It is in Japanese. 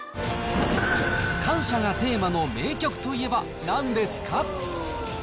感謝がテーマの名曲といえばなんですか？